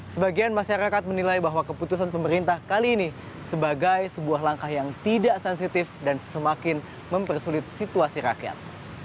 sebagian masyarakat menilai bahwa keputusan pemerintah kali ini sebagai sebuah langkah yang tidak sensitif dan semakin mempersulit situasi rakyat